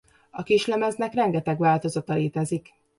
A kislemeznek rengeteg változata létezik.